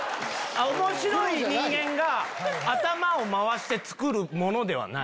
面白い人間が頭を回して作るものではない。